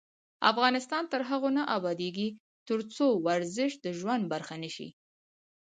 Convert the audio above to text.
افغانستان تر هغو نه ابادیږي، ترڅو ورزش د ژوند برخه نشي.